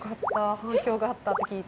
反響があったって聞いて。